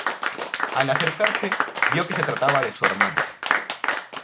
Al acercarse vio que se trataba de su hermano.